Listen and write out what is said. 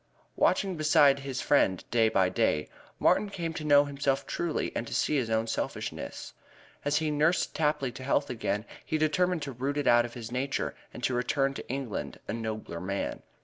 Watching beside his friend day by day, Martin came to know himself truly and to see his own selfishness. As he nursed Tapley to health again he determined to root it out of his nature and to return to England a nobler man.